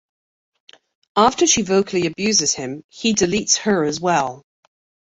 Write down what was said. After she vocally abuses him, he deletes her as well.